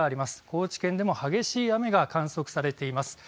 高知県でも激しい雨が観測されています。